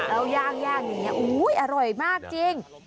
แล้วย่างอย่างนี้อร่อยมากจริง